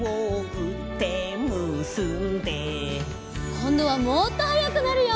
こんどはもっとはやくなるよ！